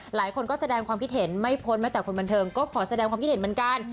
หลายคนก็แสดงความคิดเห็นไม่พ้นแม้แต่คนบันเทิงก็ขอแสดงความคิดเห็นเหมือนกัน